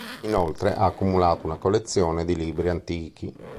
Inoltre, ha accumulato una collezione di libri antichi.